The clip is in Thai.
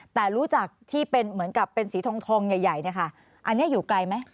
แต่รู้จักที่เป็นเหมือนกับเป็นสีทองใหญ่เนี่ยค่ะอันนี้อยู่ไกลไหม